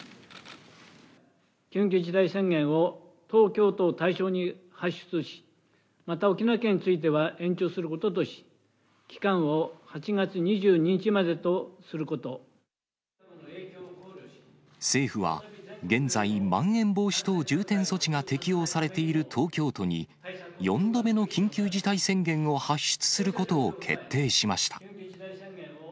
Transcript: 緊急事態宣言を東京都を対象に発出し、また、沖縄県については延長することとし、政府は、現在、まん延防止等重点措置が適用されている東京都に、４度目の緊急事態宣言を発出することを決定しました。